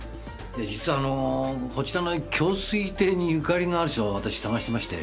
実はあのこちらの京粋亭に縁のある人を私探してまして。